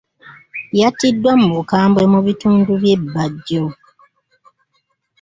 Yattiddwa mu bukambwe mu bitundu bye Bajjo.